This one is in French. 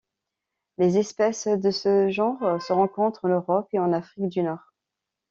Les espèces de ce genre se rencontrent en Europe et en Afrique du Nord.